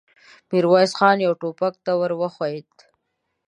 ميرويس خان يوه ټوپک ته ور وښويېد.